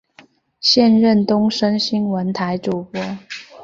现任东森新闻台主播。